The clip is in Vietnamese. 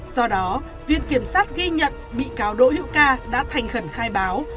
do đó viện kiểm sát ghi nhận bị cáo đỗ hữu ca đã thành khẩn khai báo